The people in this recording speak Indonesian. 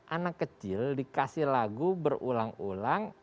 anak kecil dikasih lagu berulang ulang